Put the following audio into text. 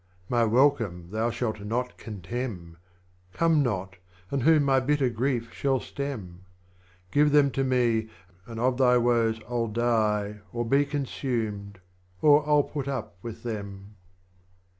My Welcome thou shalt not contemn ; Come not, and who my bitter Grief shall stem ? Give them to me, and of thy Woes I'll die Or be consumed, or I'll put up with them.